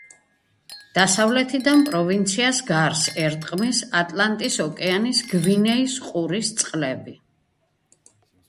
დასავლეთიდან პროვინციას გარს ერტყმის ატლანტის ოკეანის გვინეის ყურის წყლები.